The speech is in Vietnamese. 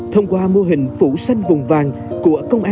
thông qua mô hình phủ xanh vùng vàng của công an